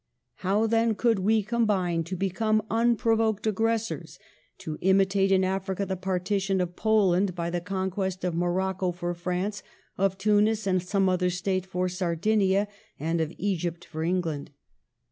... How, then, could we combine to be come unprovoked aggressoi*s, to imitate in Africa the partition of Poland by the conquest of Morocco for France, of Tunis and some other State for Sardinia, and of Egypt for England."